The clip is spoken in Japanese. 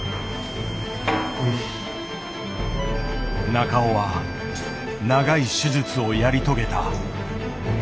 中尾は長い手術をやり遂げた。